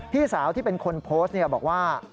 พี่สาวที่เป็นคนโพสต์บอกว่า